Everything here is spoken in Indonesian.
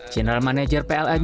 general manager pln juga mengatakan